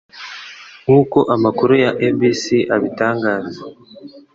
Nk'uko amakuru ya ABC abitangaza